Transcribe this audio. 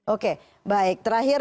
oke baik terakhir